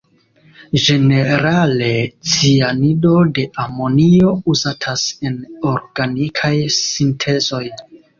Ĝenerale cianido de amonio uzatas en organikaj sintezoj.